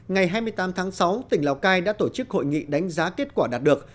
ngày hai mươi tám tháng sáu tỉnh lào cai đã tổ chức hội nghị đánh giá kết quả đạt được